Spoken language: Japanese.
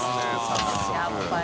やっぱり。